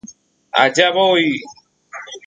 Allá voy